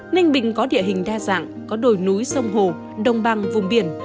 ninh bình có địa hình đa dạng có đồi núi sông hồ đồng bằng vùng biển